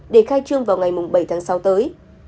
để khai trương vào ngày bảy tháng sáu tới